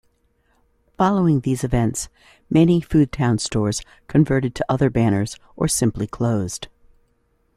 Following these events, many Foodtown stores converted to other banners or simply closed.